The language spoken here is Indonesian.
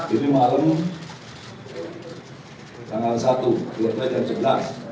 ini malam tanggal satu tiga lima belas